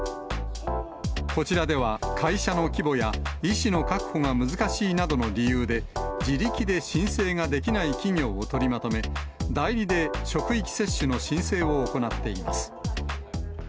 こちらでは、会社の規模や医師の確保が難しいなどの理由で、自力で申請ができない企業を取りまとめ、代理で職域接種の申請を行っています。